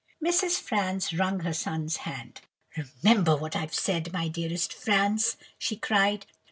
"Mrs. Franz wrung her son's hand. "'Remember what I've said, my dearest Franz!' she cried.